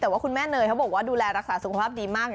แต่ว่าคุณแม่เนยเขาบอกว่าดูแลรักษาสุขภาพดีมาก